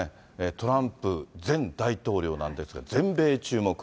トランプ前大統領なんですが、全米注目。